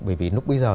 bởi vì lúc bây giờ